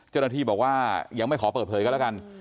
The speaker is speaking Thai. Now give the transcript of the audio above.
เจ้าหน้าที่บอกว่ายังไม่ขอเปิดเผยก็แล้วกัน